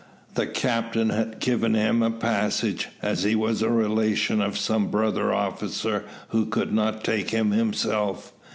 The captain had given him a passage, as he was a relation of some brother officer who could not take him himself.